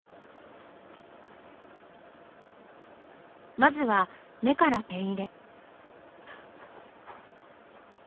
まずは目からペン入れ。